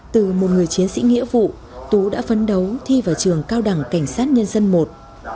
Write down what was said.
từ một người chiến sĩ nghĩa vụ tú đã phấn đấu thi vào trường cao đẳng cảnh sát nhân dân i